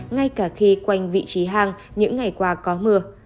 ngay cả khi quanh vị trí hang những ngày qua có mưa